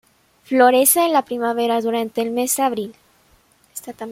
Florece en la primavera, durante el mes de abril.